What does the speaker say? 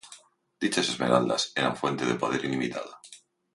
Dichas esmeraldas eran fuente de poder ilimitado.